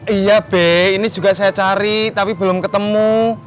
iya be ini juga saya cari tapi belum ketemu